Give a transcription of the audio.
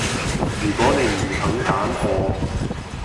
如果你唔肯揀我